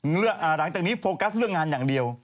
หลังจากนี้โฟกัสเรื่องงานอย่างเดียว